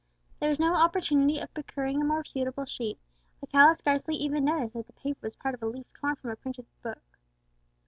There was no opportunity of procuring a more suitable sheet; Alcala scarcely even noticed that the paper was part of a leaf torn from a printed book.